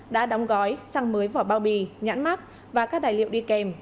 đã đóng gói xăng mới vỏ bao bì nhãn mắt và các tài liệu đi kèm